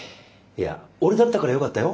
いや俺だったからよかったよ？